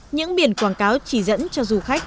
những biển quảng cáo chỉ dẫn cho du khách